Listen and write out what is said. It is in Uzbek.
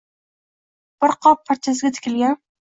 Bir qor parchasiga tikilgan…